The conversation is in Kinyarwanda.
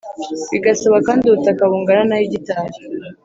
bigasaba kandi ubutaka bungana na hegitari